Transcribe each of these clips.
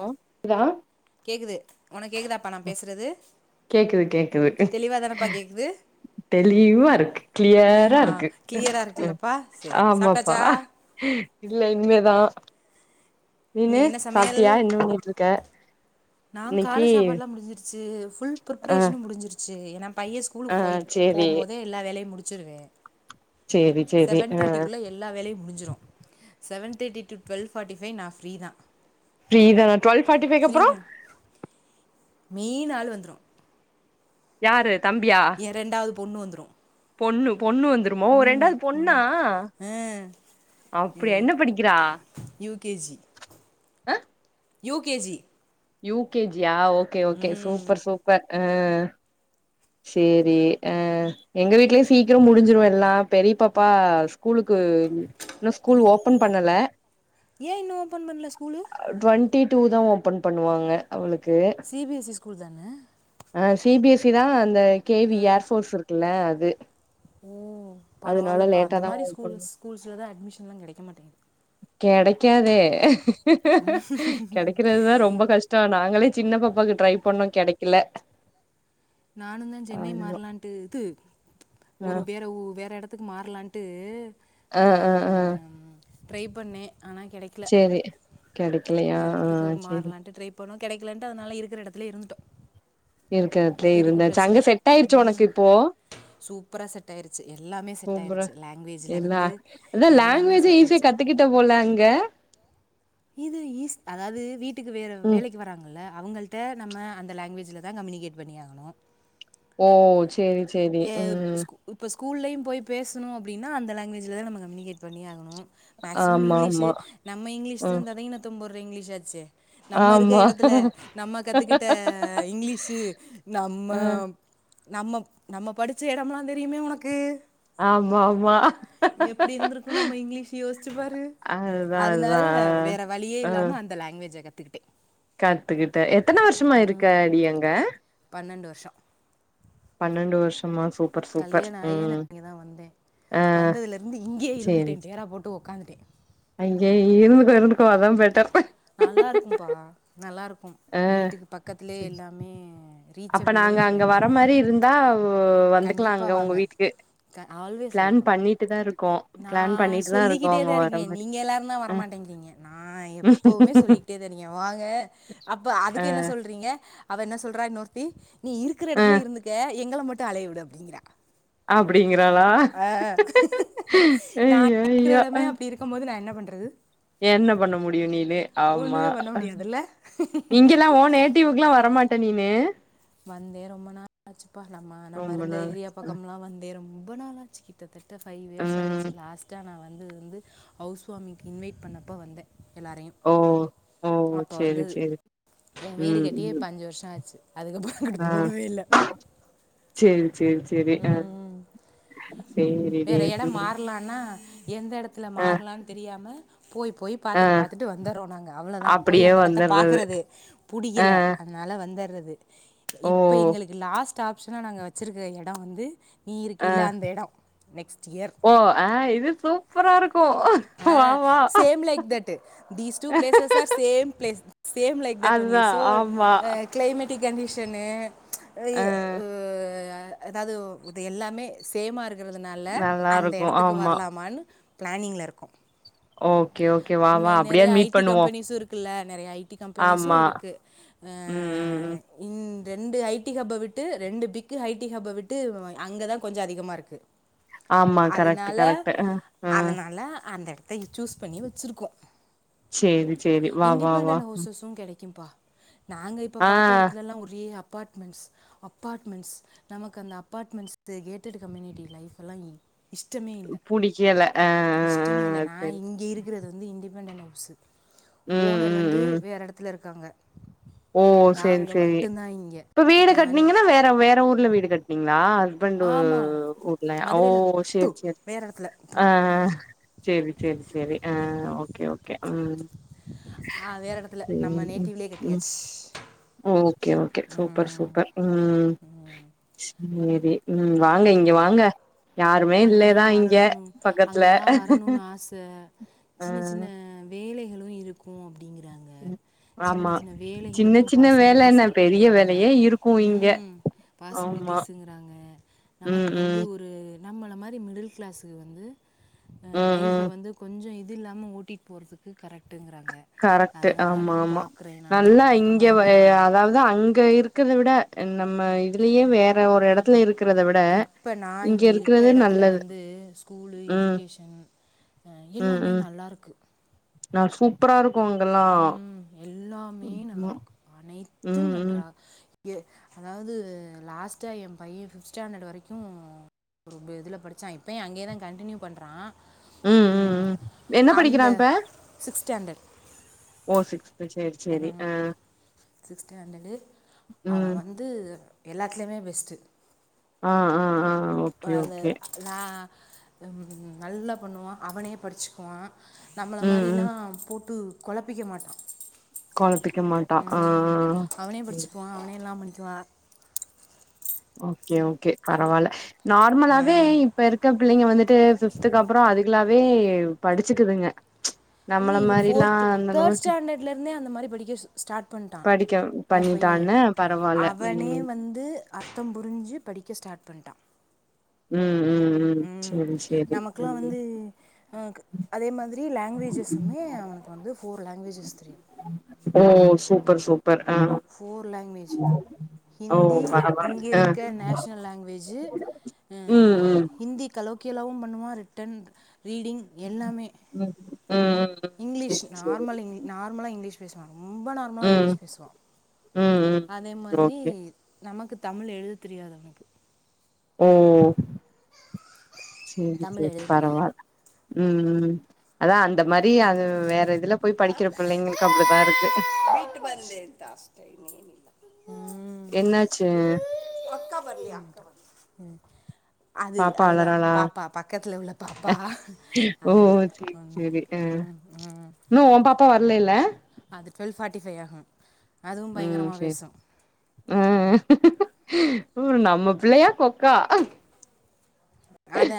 Hello கேக்குதா கேக்குது உனக்கேக்குதாப் கேக்குது கேக்குது தெளிவாக தானேப்பா கேட்குது தெளிவா இருக்கு கிளியரா ஆ இருக்கு கிளியராக இருக்குல்லப்பா சரி ஆமாப்பா சாப்பிட்டாச்சா இல்ல இனிமேதா நீனு இன்னைக்கு என்ன சாப்டியா என்ன பண்ணிட்டு இருக்க நாம் கால இன்னைக்கி சாப்பாடுலா முடிஞ்சிருச்சு ஃபுல் ஆ ப்ரிப்ரேஷனு முடிஞ்சிருச்சு ஏன்னா பைய ஆ ஸ்கூலுக்கு போய் சேரி போம் போதே எல்லா வேலையு முடிச்சிருவே சேரி சேரி செவன் ஆ தேர்ட்டிக்குள்ள எ எல்லா வேலையு முடிஞ்சிரு seven thirty to twelve forty five நா ஃப்ரீ தா ஃப்ரீ தானா டுவல் ஃபார்ட்டி ஃபைவ்க்கு அப்ரோ தான் மெயின் ஆளு வந்துரு யாரு தம்பியா எயா ரெண்டாவது பொண்ணு வந்துரு பொண்ணு பொண்ணு வந்து ருமோ ரெண்டாவது பொண்ணா அப்டியா என்ன படிக்கிறா யூகேஜி யூகேஜி யூகேஜியா ஓகே ஓகே சூப்பர் சூப்பர் அ சரி அ எங்க வீட்லயு சீக்கிர முடிஞ்சிரு எல்லா பெரிய பாப்பா ஸ்கூலுக்கு இன்னு ஸ்கூல் ஓபன் பண்ணல ஏ இன்னு ஓபன் பண்ணல ஸ்கூலு டவெண்ட்டி டூ தா ஓப்பன் பண்ணுவாங்க அவளுக்கு சிபிஎஸ்இ ஸ்கூல் தான அ சிபிஎஸ்சி தா அந்த ஆ கேவி ஏர்போட்ஸ் இருக்குல்ல அது ஓ அதனால பரவால்லப்பா லேட்டா அந்த தா மாரி ஓபன் ஸ்கூல்ஸ் ஸ்கூல்ஸல தா அட்மிஷன் எலா கெடைக்க மாட்டேங்குது கெடைக்காதே கெடைக்கிறது தா ரொம்ப ரொம்ப கஷ்டோ நாங்களே சின்ன பாப்பாவுக்கு ட்ரை பண்ணோ கெடைக்கல நானுந்தா சென்னை ஆமா மாறலாம்ட்டு இது ஆ ஒரு வேற வேற எடத்து த்துக்கு மாரலான்ட்டு அ அ அ ட்ரை பண்ணே ஆனா கெடைக்கல சேரி கெடைக்கலையா வேற ஆ எடத்துக்கு சேரி மாறலாண்டு ட்ரை போணு கெடைக்கலன்ட்டு அதனால இருக்கிற எடத்துலயே இருந்துட்டோ இருக்கறதுலே இருந்தாச்சு அங்க செட் ஆயிருச்சு ஒனக்கு இப்போ சூப்பரா செட் ஆயிருச்சு எல்லாமே செட் சூப்பரு ஆயிருச்சு லாங்குவேஜ்ல இருந்து எல்லாமே செட் ஈசிய ஆயிருச்சு கத்துக்கிட்ட போல அங்க இது ஈஸ் அதாவது வீட்டுக்கு வேறு ம் வேலைக்கு வராங் ல்ல அவங்கள்ட நம்ம அந்த லாங்குவேஜில தா கம்யூனிகேட் பண்ணி ஆகணு ஓ செரி செரி ஏ இப் இப்போ ஸ்கூ ஸ்கூல்லேயு போய் பேசணு அப்டின்னா அந்த லாங்குவேஜில தான நம்ம கம்யூனிகேட் பண்ணி ஆகணு மேக்சிமம் ஆமா இங்கிலீஷ் ஆமா நம்ம இங்கிலீஷ் த ம் ததிகினதோம் போடுற இங்கிலீஷ் ஆச்சே நம்ம இருக்க ஆமா எடத்துல நம்ம கத்துக்கிட்ட இங்கிலீஷு நம்ம அ நம்ம நம்ம படிச்ச இடம் எல்லாம் தெரியுமே உனக்கு ஆமா ஆமா எப்படி இருந்திருக்கு நம்ம இங்கிலீஷ் யோசிச்சு பாரு அதுதா அதுதா அதனால வேற வழியே ஆ இல்லாம அந்த லாங்குவேஜ கத்துக்கிட்டே கத்துக்கிட்ட எத்தன வருஷமா இருக்க அடி அங்க பன்னெண்டு வருஷோ பன்னெண்டு வருஷமா சூப் கல்யாண ஆயே நா இங்கதா வந்தே ஆ வந்ததுல இருந்து இங்கேயே இருந்துட்டே டேரா போட்டு உக்காந்துட்டே அங்கய இ இருந்துகோ இருந்துகோ அதா பெட்டர் நல்லாருக்கும்ப்பா நல்லாருக்கும் ஆ வீட்டுக்கு பக்கத்துலயே சேரி எல்லாமே ரீச் அப்ப நாங்க அங்க வர மாரி இருந்தா வந்துக்கலா அங்க கண்டிப்பாக உங்க வாங்க வீட்டுக்கு க ஆல்வேஸ் பிளான் வெல்கம் பண்ணிட்டு தா இருக்கோ நா பிளான் பண்ணிட்டு தா இருக்கோ சொல்லிக்கிட்டே அங்க தா வர இருக்க மாரி நீங்க எல்லாரு தா அ வரமாட்டேங்கிறீங்க நா எப்பவுமே சொல்லிகிட்டே தா நீங்க வாங்க அப்ப அ அதுக்கு என்ன சொல்றீங்க அவ என்ன சொல்றா இன்னொருத்தி நீ இருக்கிற அ எடத்துல இருந்துக்க எங்கள மட்டும் அலையவிடு அப்படிங்கிறா அப்டிங்கிறாளா நா ஐயோ இருக்கிற ஐயோ எடமே அப்படி இருக்கும் போது நா என்ன பண்றது என்ன பண்ண முடியு ஆமா ஒன்றுமே பண்ண முடியாதுல்ல இங்கல்லாம் ஓன் டிவுக்குெல்லா வரமாட்ட நீனு வந்தே ரொம்ப நாளாச்சுப்பா நம்ம நம்ம ரொம்ப இருந்த நாள் ஏரியா பக்கல்லா வந்தே ரொம்ப நாளாச்சு கிட்டத்தட்ட ஃபைவ் இயர்ஸ் ம் ஆய்டுச்சு லாஸ்ட்டா நா வந்து வந்து ஹவுஸ் வார்மிங்க் இன்வைட் பண்ணப்ப வந்தே எல்லாரையு ஓ ஓ அப்போ சேரி வந்தது சேரி எ வீடு ம் கட்டியே இப்ப ம் அஞ்சு வருஷ ஆச்சு அதுக்கப்பற அங்குட்டு போகவே இல்ல செரி செரி செர் ம் சேரிடி வேற இடம் ம் மாறலானா எந்த எடத்துல ஆ மாறலான் தெரியாம போய் போய் ஆ பாத்துட்டு பாத்துட்டு வந்துறோ நாங்க அவ்ளோதா போய் அப்டியே அந்த இடத்த வந்துர்றது பாக்குறது ஆ புடிக்கல அதனால வந்தர்றது ஓ இப்ப எங்களுக்கு லாஸ்ட் ஆப்ஷனா நாங்க வச்சிருக்கற இடம் வந்து நீ ஆ இருக்கில அந்த இட நெக்ஸ்ட் இயர் ஓ ஆ இது சூப்பரா இருக்கு வா வா like that these two places are same place same like that only அதுதா சோ ஆமா ஆ கிளைமேட்டு கண்டிஷன்னு இ அ ஆ அதாவது ஒ இது எல்லாமே சேமா இருக்கிறதுனால நல்லா அந்த இருக்கு இடத்துக்கு ஆமா வரலாமான்னு பிளானிங்ல்ல இருக்கோ ஓகே ஓ ம நெறய ஐ டி கம்பெனிஸ்ஸு இருக் பிள்ள நெறய ஐ டி கம்பெனிஸ்சு ஆமா இருக்கு அ ம் ம் ம் இங்கு ரெண்டு ஐ டி ஹப்ப விட்டு ரெண்டு பிக்கு ஐ டி ஹப்ப விட்டு அங்கதா கொஞ்சோ அதிகமா இருக்கு [unintelligible] கரெக்ட் அதனால கரெக்ட் அ அ அதனால அந்த இடத் அத சூஸ் பண்ணி வச்சுருக்கோ சேரி சேரி வா வா வா இண்டிபெண்டன்ட் ம். ஹவுஸ்சஸ்சும் கிடைக்கும்பா நாங்க இப்போ ஆ பாத்த இடத்துலல்லா ஒரே அபார்ட்மெண்ட்ஸ் அப்பார்ட்மெண்ட்ஸ் நமக்கு அந்த அப்பார்ட்மெண்ட்ஸ் கேட்டட் கம்யூனிட்டி லைஃப் எல்லா ஏ இஷ்டமே இல்ல புடிக்கல அ அ இஷ்டமே இல்ல அ நா சரி இங் இங்க இருக்கிறது வந்து இண்டடிபெண்டன்ட் ஹவுஸு ம் ஓனர் ம் வந்து ம் வேற இடத்துல இருக்காங்க ஓ செரி நாங்கள் செரி மட்டும்தான் இங்கே இப்ப வீடு நானே கட்னீங்கனா வேற வேற ஊர்ல வீடு கட்னீங்ளா ஹஸ்பண்டு ஆமாம் ஊர்ல ஓ மதுரையில் டூ செரி செரி வேறு இடத்துல ஆ செ ரி செ ரி செ ரி ஆ ஓகே ஓகே ம் ஆ வேற இடத்தில நம்ம நேட்டிவ்லயே கட்டியாச்சு ஓ ஓகே ஓகே சூப்பர் சூப்பர் ம் செரி ம் வாங்க ஆமாம் இங்க வாங்க யாருமே அங்கே இல்லதா தான் இங்க வரணும்னு பக்கத்ல அங்கே தான் வரணும்னு ஆசை சின்ன சின்ன வேலைகளு இருக்கு அப்படிங்கறாங்க ம் ஆமா சின்ன சின்ன வேல என்ன பெரிய வேலையே இருக்கு இங்க ஆமா பாசிபிலிட்டிஸ்ங்கிறாங்க ம் நமக்கு வந்து ம் ஒரு நம்மள மாரி மிடில் கிளாஸ்ஸு வந்து ம் லைஃப ம் வந்து கொஞ்சோ இது இல்லாம ஓட்டிட் போறதுக்கு கரெக்டுங்றாங்க கரெக்ட்டு ஆமா ஆமா நல்லா அந்த பக்கம் இங்க ஆ வந்துடலாமா அதாவது அதா அங்க இருக்குறத விட நம்ம இதுலயே வேற ஒரு இடத்துல இல்லைப்பா இருக்கிறத விட இப்போ நான் இங்க இங்கே இருக்க இருக்கிறது இடத்துல நல்லது வந்து ஸ்கூலு ம் எஜிகேஷன் ஏ ம் எல்லாமே ம் நல்லாருக்கு நா சூப்பரா இருக்கு இங்கெல்லா ம், எல்லாமே நல்லாருக்கு அனைத்தும் ம் ம் நன்றா ஏ அதாவது லாஸ்ட்டா என் பையன் ஃபிப்த் ஸ்டாண்டர்டு வரைக்கும் ஒரு இ இதுல படிச்சான் இப்பயும் அங்கேயதான் கண்டடினியூ பண்றான் ம் ம் அந்த சிக்ஸ் ஸ்டாண்டர்ட் ஓ சிக்ஸ் உ ஹு ம் சிக்ஸ்டாண்ட்ர்டு அவன் ம் வந் து எல்லாத்துலேயுமே பெஸ்ட்டு ஆ ஆ ஆ ஓகே ஓகே லா ம் நல்லா பண்ணுவான் அவனே படிச்சுக்குவான் நம்மள ம் ம் மாரிலாம் போட்டு கொழப்பிக்க மாட்டான் கொழப்பிக்க மாட்டா ஆ ம் ம் அவனே ஆ. படிச்சுக்குவான் அவனே எல்லாம் பண்ணிக்குவான் ஓகே ஓகே பரவால்ல நார்மலாவே இப்ப இருக்க பிள்ளைங்க வந்துட்டு ஃபிப்துக்கப்றம் அதுங்களாவே படிச்சுக்குதுங்க இல்ல நம்மள இது மாரிலா ஃபோர்த் அந்த தேர்ட் அளவுக்கு ஸ்டாண்டர்ட்லருந்தே அந்த மாறி படிக்க சொ ஸ்டார்ட் பண்ட்டான் படிக்க என் பையன் பண்ணிட்டான்னு பரவால்ல அவனே ம் வந்து அர்த்தம் புரிஞ்சு படிக்க ஸ்டார்ட் பண்ட்டா ம் ம் ம் செரி செரி ம் அதே மாரி லாங்குவேஜஸுமே அவனுக்கு வந்து ஃபோர் லாங்குவவேஜஸ் தெரியும் ஓ சூப்பர் சூப் பர் ஆ ஃப்போர் லாங்குவேஜ் ஓ ஹிந்தி பரவால்ல இங்க ஆ இருக்க நேஷ்னல் லாங்குவேஜூ ம் ம் ம் ஹிந்தி கலோக்கியலாவும் பண்ணுவான் ரிட்டன் ரீடிங் எல்லாமே ம் ம் ம் இங்கிலீஷ் சேரி சேரி நார்மல் நார்மலா இங்கிலீஷ் பேசுவான் ரொம்ப நார்மலா ம் இங்கிலீஷ் பேசுவான் ம் ம் அதே மாதிரி ஓகே நமக்கு தமிழ் எழுத தெரியாது அவனுக்கு ஓ சேரி தமிழ் சேரி எழுத தெரியாது பரவால்ல ம் ம் அதான் அந்த மாரி அது வேற இதுல போய் படிக்கிற பிள்ளைங்களுக்கு அப்டிதான் இருக்கு [unintelligible] வந்து [unintelligible] என்னாச்சு அக்கா வரலய அக்கா வரலய அது பாப்பா அதுதான் அழறாளா பாப்பா பக்கத்தில உள்ள பாப்பா ஓ அழுது ம் ம் ம் இன்னும் உ பாப்பா வரலல்ல அது டுவெல் ஃபார்ட்டி ஃபைவ் ஆகும் அதுவும் பயங்கரமா பேசும் ம்ம் ம்ம் ஓ நம்ம பிள்ளையா கொக்கா அதா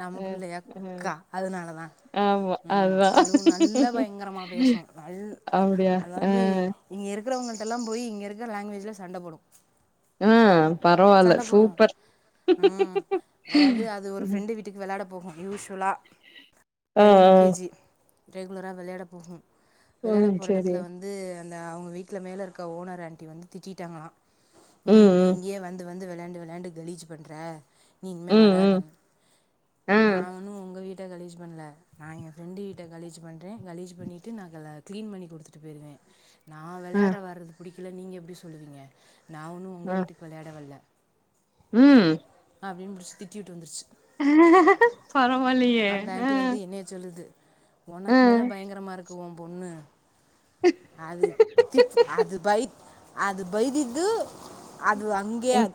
நம்ம ம் பிள்ளையா ம் கொக்கா அதனாலதான் ஆமா ம் அதா அதுவு நல்ல பயங்கரமா பேசும் நல்ல அப்டியா ஆ அதாவது இங்க இருக்கவங்கள்டல்லாம் போய் இங்க இருக்கிற லாங்குவேஜில சண்டபோடும் ம் சண்ட போடுவோம் ம் அதாவது அது ஒரு ஃப்ரெண்டு வீட் ட்க்கு வெளாட போகும் யூஸ்வலா ஆ ஆ இப்ப யூ கே ஜி ரெகுலரா வெளாட போகும் வெளையாட ம் போற செரி இடத்துல வந்து வந்து அந்த அவங்க வீட்ல மேல இருக்க ஓனர் ஆண்டி வந்து திட்டிட்டாங்கலாம் நீ ம் இங்கேயே வந்து வந்து வெளாண்டு வெளைண்டு கலீஜ் பண்ற நீ இன்மே ம் வராத ம் ம் ஆ நானும் உங்க வீட் டு கழிஜ் பண்ணல நா என் ஃப்ரெண்டு வீட்ட கழிஜ் பண்றேன் கழிஜ் பண்ணிட்டு நான் கல்லா கிளீன் பண்ணி குடுதுட்டு போயிருவேன் நான் ஆ வெளயாட வர்றது பிடிக்கல நீங்க எப்டி சொல்லுவீங்க நா ஒன்னும் உங்க ஆ வீட்டுக்கு வெளையாட வர்ல ம் அப்டின் புடிச்சு திட்டி வுட்டு வந்துருச்சு பரவாலயே அ நேத் சொல்லுது ஒனக்கு மேல பயங்கரமா இருக்கு உன் பொண்ணு அது திச்சு அது பய் அது பைக்குக்கு அது அங்கே ம் அ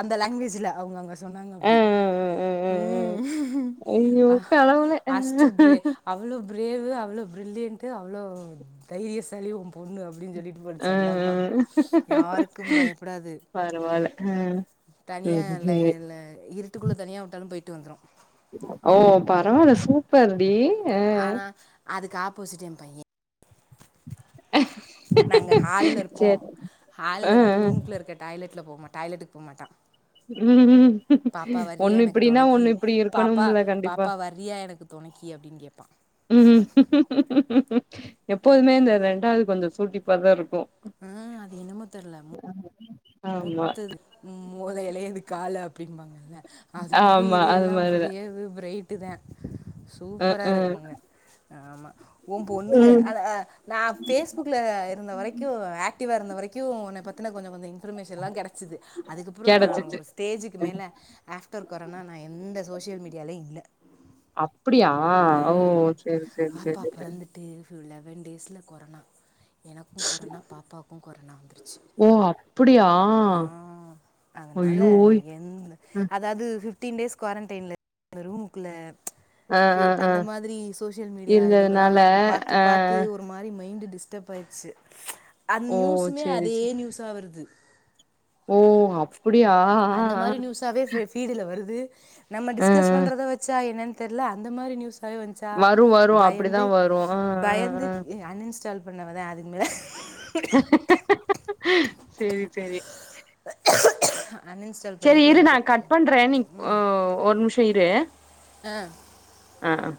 அந்த லங்குவேஜ்ல அவங்க அங்க சொன்னாங்க ஆ ஆ அப்டி ஆ ஆ ஆ ம் ஐயோ அ கடவுளே ஆ அஸ்ட்டுபிரே அவ்ளோ பிரேவு அவ்ளோ பிரில்லியண்ட் அவ்ளோ தைரிய சாளி உன் பொண்ணு அப்டின்னு சொல்லி [unintelligible] ஆ ஆ. சந்தம்மா யாருக்கும் பயப்படாது பரவால்ல ம் தனியா இல்ல இல்ல இருட்டுகுள்ள தனியா வுட்டாலும் போயிட்டு வந்துரும் ஓ பரவால்ல சூப்பர்டி ஆ ஆனா அதுக்கு ஆப்போசிட் என் பையன் அஹ் நாங்க ஹால்ல இருப்போ ஆ ஹால்ல ஆ இருந்து ரூமுக்குள்ள இருக்க டாய்லெட்ல போமா டாய்லெட்டுக்கு போ மாட்டான் ம் பாப்பா வறியா ஒண்ணு எனக்கு இப்டின்னா தொனைக்கி ஒண்ணு இப்டி பாப்பா இருக்கணும்ல கண்டிப்பா பாப்பா வர் றியா எனக்கு தொனைக்கி அப்டின்னு கேப்பான் ம் எப்போதுமே இந்த ரெண்டாது கொஞ்சோ சூட்டிப்பாதான் இருக்கும் அ அது என்னமோ தெர்ல ஆமா மூத்தது மொகளைளே இது காள அப்டின்பாங்கல்ல அது மாரி ஆமா இது அது எல்லா மாரிதா பெரியது ப்ரே ட்டுதன் அ சூப்பரா ஆ இருக்குங்க ஆமா ஒன் பொண்ணுங்க ம் அழ அ நா ஃபேஸ்புக்ல இருந்த வரைக்கு ஆக்டிவாக இருந்த வரைக்கும் ஒன்ன பத்துன கொஞ்சோ கொஞ்சோ இன் பர்மேஷன்லா கடச்சுது அதுக்கப்றோ நான் கெடச்சிச்சு ஒரு தேஜ்க்கு மேல ஆஃப்டர் கொரனா நான் எந்த சோசியல் மீடியாலயு இல்ல அப்புடியா ஓ சேரி சேரி சேரி டேஃபு லெவன் டேஸ்ல கொரன்னா எனக்கும் கொரனா பாப்பாவுக்கும் கொரனா வந்துருச்சி ஓ அப்டியா ஆ அதனால ஐயோ எந்த அதாது ஃபிப்டீன் டேஸ் குவாரண்டில்ல ரூம்குள்ள ஆ பே ஆ ஆ அந்த மாதிரி சோசியல் மீடியா இதுகலா இருந்ததுனால பாத்து ஆ பாத்து ஒரு மாரி மைண்ட்டு டிஸ்டர்ப் ஆயிருச்சு அந்த ஓ நியூசுமே சேரி அதே சேரி நியூஸ் ஆ வருது ஓ அப்டியா ஆ அந்த மாரி நியூஸாவே ஃபீடுல வருது நம்ம ஆ டிஸ்கஸ் ஆ பண்றத வச்சா என்னன் தெர்ல அந்த மாரி நியூஸாவே வன்ச்சா வரு வரு அப்டிதா பயந்து வரு ஆ ஆ பயந்து ஆ அன் இன்ஸ்டால் பண்ணவ தான் அதுக்கு மேல சேரி சேரி அன்இன்ஸ் சேரி இரு நான் கட் பண்றேன் நீ ஓ ஒரு நிமிஷோம் இரு ஆ ஆ ஆ